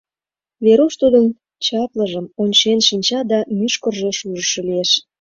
— Веруш тудын чаплыжым ончен шинча да мӱшкыржӧ шужышо лиеш.